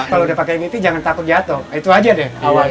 kalau udah pake mvp jangan takut jatuh itu aja deh